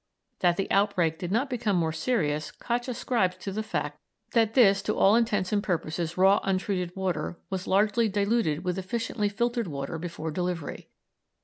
That the outbreak did not become more serious Koch ascribes to the fact that this, to all intents and purposes raw untreated water, was largely diluted with efficiently filtered water before delivery.